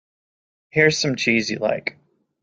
Here's some cheese you like.